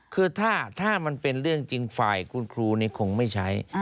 คือถ้ามันเป็นเรื่องจริงฝ่ายคุณครูนี่คงไม่ใช้